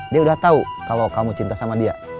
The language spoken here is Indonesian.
dia udah tau kalau kamu cinta sama dia